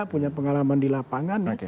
punya pengalaman di lapangan